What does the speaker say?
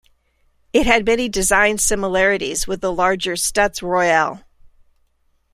It had many design-similarities with the larger Stutz Royale.